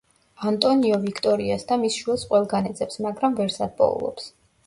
ანტონიო ვიქტორიას და მის შვილს ყველგან ეძებს მაგრამ ვერსად პოულობს.